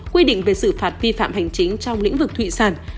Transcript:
quy định về sự phạt phi phạm hành chính trong lĩnh vực thủy sản